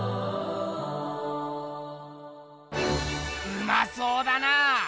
うまそうだな！